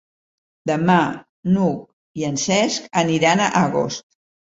Demà n'Hug i en Cesc aniran a Agost.